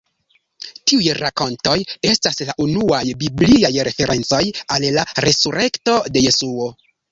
Tiuj rakontoj estas la unuaj bibliaj referencoj al la resurekto de Jesuo.